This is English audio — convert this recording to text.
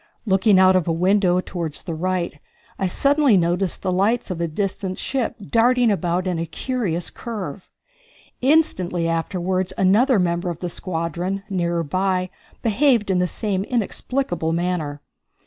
Looking out of a window toward the right, I suddenly noticed the lights of a distant ship darting about in a curious curve. Instantly afterward another member of the squadron, nearer by, behaved in the same inexplicable manner.